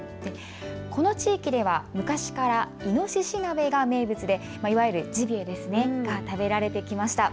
この地域では昔からイノシシ鍋が名物でいわゆるジビエが食べられてきました。